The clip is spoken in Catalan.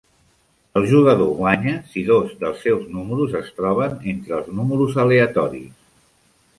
El jugador guanya si dos dels seus números es troben entre els números aleatoris.